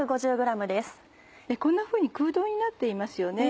こんなふうに空洞になっていますよね。